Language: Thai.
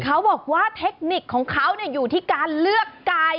เขาบอกว่าเทคนิคของเขาอยู่ที่การเลือกไก่